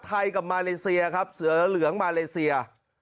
กับมาเลเซียครับเสือเหลืองมาเลเซีย